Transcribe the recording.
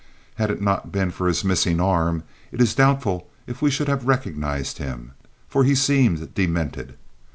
Had it not been for his missing arm it is doubtful if we should have recognized him, for he seemed demented.